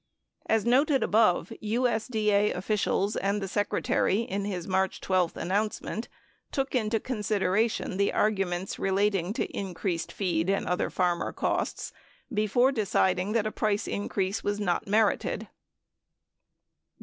5 As noted above, USDA officials and the Secretary, in his March 12 announcement, took into consideration the arguments relat ing to increased feed and other farmer costs before deciding that a price increase was not merited.